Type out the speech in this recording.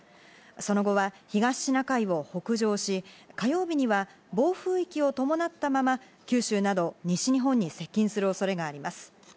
その後は東シナ海を北上し、火曜日には暴風域を伴ったまま、九州など西日本に接近する恐れがあります。